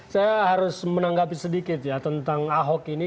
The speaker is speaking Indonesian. saya harus menanggapi sedikit ya tentang ahok ini